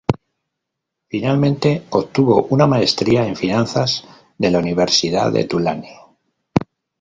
Finalmente obtuvo una maestría en Finanzas de la Universidad de Tulane.